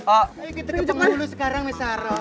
ayo kita ke penghulu sekarang maisaro